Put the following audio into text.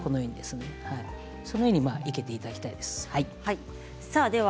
そのように生けていただきたいです。